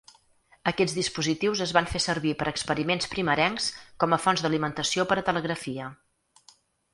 Aquests dispositius es van fer servir per experiments primerencs com a fonts d'alimentació per a telegrafia.